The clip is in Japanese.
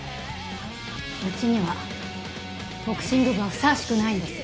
うちにはボクシング部はふさわしくないんです。